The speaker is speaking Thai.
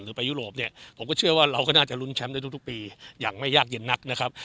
ไปยุโรปเนี่ยผมก็เชื่อว่าเราก็น่าจะลุ้นแชมป์ได้ทุกปีอย่างไม่ยากเย็นนักนะครับ